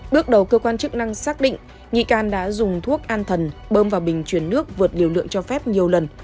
bước đầu cơ quan chức năng xác định nghi can đã dùng thuốc an thần bơm vào bình chuyển nước vượt liều lượng cho phép nhiều lần